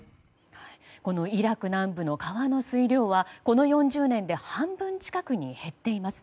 イラク南部の川の水量はこの４０年で半分近くに減っています。